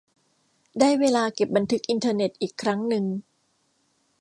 ได้เวลาเก็บบันทึกอินเทอร์เน็ตอีกครั้งนึง